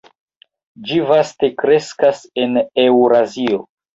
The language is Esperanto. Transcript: Ĝi vaste kreskas en Eŭrazio.